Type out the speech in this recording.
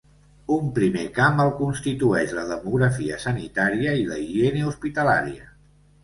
Un primer camp el constitueix la demografia sanitària i la higiene hospitalària.